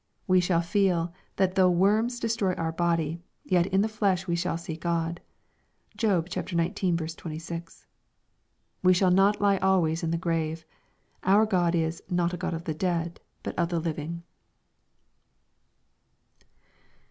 We shall feel that though worms destroy our body, yet in the flesh we shall see God. (Job xix. 26.) We shall not lie always in the grave. Our God is " not a God of the dead, but of the living."